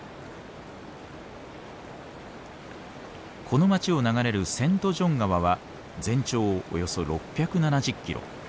この町を流れるセントジョン川は全長およそ６７０キロ。